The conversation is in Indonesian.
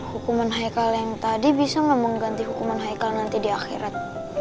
hukuman haikal yang tadi bisa nggak mengganti hukuman haikal nanti di akhirat